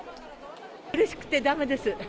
うれしくてだめです。